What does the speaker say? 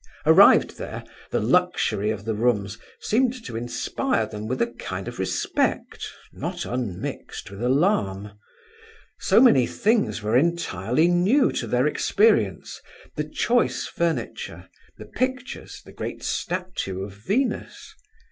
Arrived there, the luxury of the rooms seemed to inspire them with a kind of respect, not unmixed with alarm. So many things were entirely new to their experience—the choice furniture, the pictures, the great statue of Venus.